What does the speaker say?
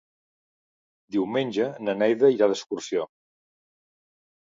Diumenge na Neida irà d'excursió.